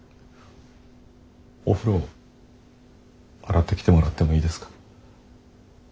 お風呂洗ってきてもらってもいいですか？